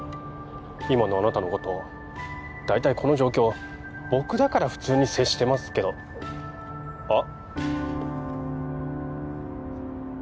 今のあなたのこと大体この状況僕だから普通に接してますけどあっ